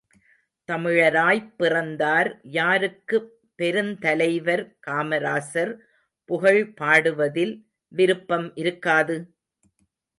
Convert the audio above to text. தமிழராய்ப் பிறந்தார் யாருக்கு பெருந்தலைவர் காமராசர் புகழ் பாடுவதில் விருப்பம் இருக்காது?